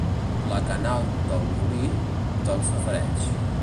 La canal del molí, del safareig.